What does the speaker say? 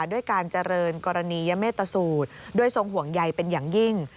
ด้วยการเจริญกรณียเมตตสูตรด้วยทรงห่วงใยเป็นอย่างยิ่ง